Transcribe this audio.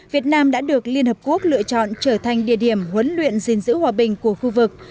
việt nam đã được liên hợp quốc lựa chọn trở thành địa điểm huấn luyện diễn giữ hòa bình của khu vực